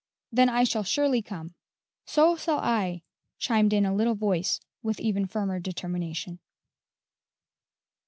"Then I shall surely come." "So s'all I," chimed in a little voice with even firmer determination.